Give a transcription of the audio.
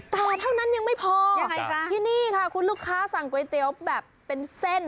แต่เท่านั้นยังไม่พอที่นี่ค่ะคุณลูกค้าสั่งก๋วยเตี๋ยวแบบเป็นเส้น